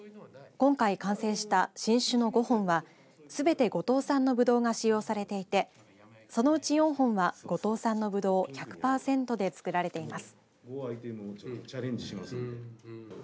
今回、完成した新酒の５本はすべて五島産のぶどうが使用されていてそのうち４本は五島産のぶどう１００パーセントで造られています。